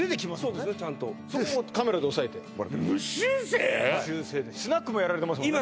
そうですねちゃんとそこもカメラで押さえて・無修正でスナックもやられてますもんね